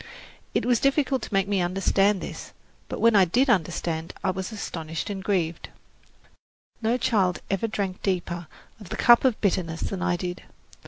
It was difficult to make me understand this; but when I did understand I was astonished and grieved. No child ever drank deeper of the cup of bitterness than I did.